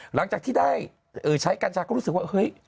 หลังจากที่ได้ใช้กัญชาก็รู้สึกว่าเฮ้ย